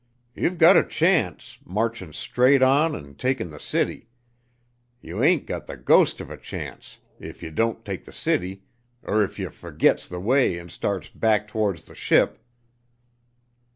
Ye've got a chance, marchin' straight on an' takin' the city; ye ain't gut the ghost of a chance, if ye don't take the city er if ye fergits the way and starts back towards the ship.